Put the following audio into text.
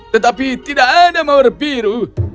tetapi tidak ada mawar biru